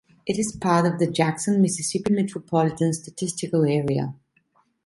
It is part of the Jackson, Mississippi Metropolitan Statistical Area.